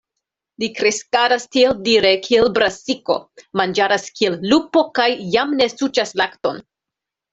Li kreskadas tieldire kiel brasiko, manĝadas kiel lupo, kaj jam ne suĉas lakton.